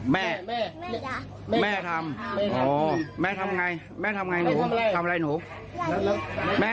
แม่แม่แม่แม่ทำแม่ทำไงแม่ทำไงหนูทำอะไรหนูแม่